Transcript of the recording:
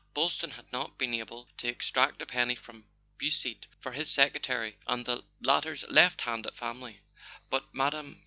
Boylston had not been able to extract a penny from Beausite for his secretary and the latter's left handed family; but Mme.